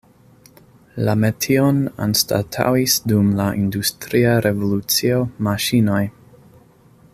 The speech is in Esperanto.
La metion anstataŭis dum la industria revolucio maŝinoj.